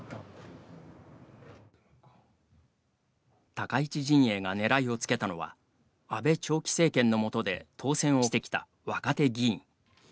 高市陣営が狙いをつけたのは安倍長期政権のもとで当選をしてきた若手議員。